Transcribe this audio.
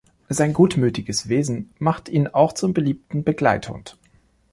Sein gutmütiges Wesen macht ihn auch zum beliebten Begleithund.